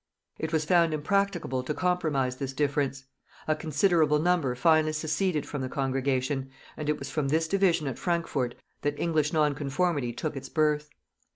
It was found impracticable to compromise this difference; a considerable number finally seceded from the congregation, and it was from this division at Frankfort that English nonconformity took its birth.